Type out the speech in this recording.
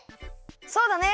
そうだね！